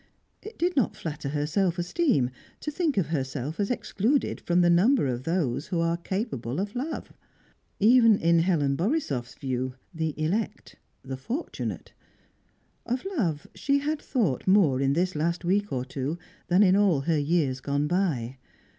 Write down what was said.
It did not flatter her self esteem to think of herself as excluded from the number of those who are capable of love; even in Helen Borisoff's view, the elect, the fortunate. Of love, she had thought more in this last week or two than in all her years gone by.